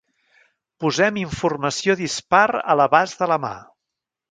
Posem informació dispar a l'abast de la mà.